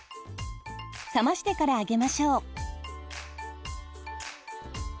冷ましてからあげましょう。